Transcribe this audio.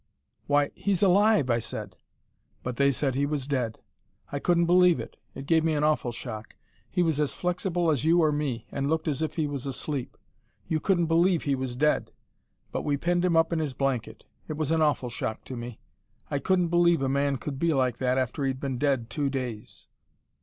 'Why he's alive!' I said. But they said he was dead. I couldn't believe it. It gave me an awful shock. He was as flexible as you or me, and looked as if he was asleep. You couldn't believe he was dead. But we pinned him up in his blanket. It was an awful shock to me. I couldn't believe a man could be like that after he'd been dead two days....